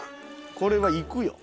これはいくよ。